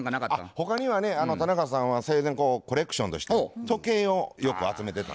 他にはね田中さんは生前コレクションとして時計をよく集めてた。